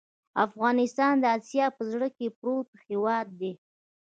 افغانستان د آسیا په زړه کې پروت هېواد دی.